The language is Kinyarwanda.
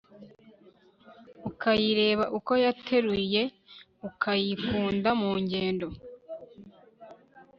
Ukayireba uko yateruye Ukayikunda mu ngendo